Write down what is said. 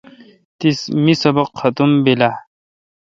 می سبق ختم بیل